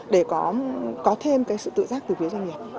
để có thêm cái sự tự giác từ phía doanh nghiệp